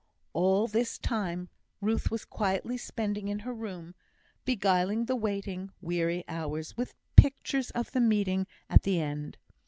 All this time Ruth was quietly spending in her room, beguiling the waiting, weary hours, with pictures of the meeting at the end.